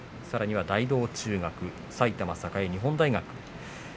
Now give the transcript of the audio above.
さらには大道中学埼玉栄、日本大学